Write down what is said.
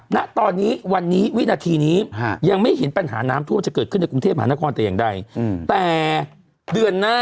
นะตอนนี้วันนี้วินาทีนี้ยังไม่เห็นปัญหาน้ำทั่ว